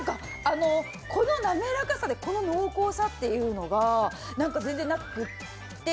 この滑らかさで、この濃厚さっていうのが全然なくて。